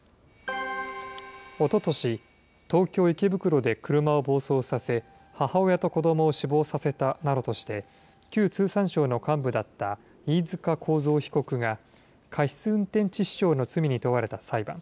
おととし、東京・池袋で車を暴走させ、母親と子どもを死亡させたなどとして、旧通産省の幹部だった飯塚幸三被告が、過失運転致死傷の罪に問われた裁判。